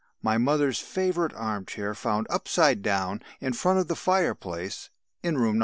My mother's favourite arm chair found upside down in front of the fire place in room No.